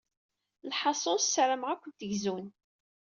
Lḥaṣul, ssarameɣ ad kent-gzun.